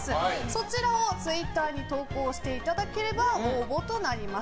そちらをツイッターに投稿していただければ応募となります。